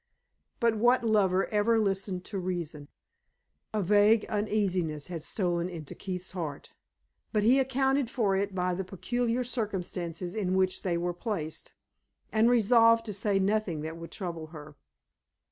But what lover ever listened to reason? A vague uneasiness had stolen into Keith's heart; but he accounted for it by the peculiar circumstances in which they were placed, and resolved to say nothing that would trouble her.